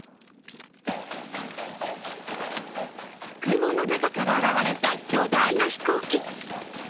雲の中から現れた巨大な飛行機。